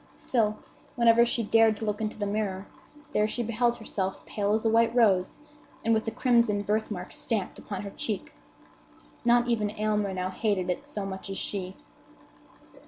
Still, whenever she dared to look into the mirror, there she beheld herself pale as a white rose and with the crimson birthmark stamped upon her cheek. Not even Aylmer now hated it so much as she.